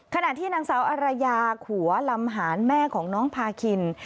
ขณะที่นางสาวอารยาขัวลำหานแม่ของน้องพาคิน